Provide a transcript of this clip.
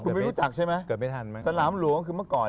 คุณไม่รู้จักใช่ไหมสนามหลวงคือเมื่อก่อน